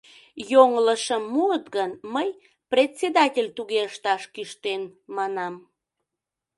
Йоҥылышым муыт гын, мый «председатель туге ышташ кӱштен» манам...